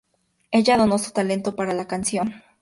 Ella donó su talento para la canción.